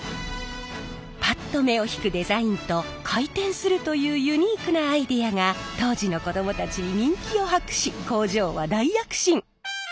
パッと目を引くデザインと回転するというユニークなアイデアが当時の子どもたちに人気を博し工場は大躍進！